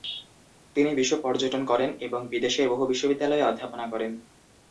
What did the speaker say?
তিনি বিশ্ব-পর্যটন করেন এবং বিদেশের বহু বিশ্ববিদ্যালয়ে অধ্যাপনা করেন।